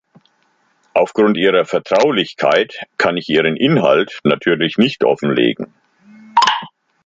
Aufgrund ihrer Vertraulichkeit kann ich ihren Inhalt natürlich nicht offenlegen.